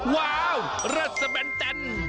ว้าวรสแบนแปน